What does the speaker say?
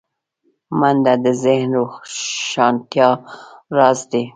منډه د ذهن روښانتیا راز دی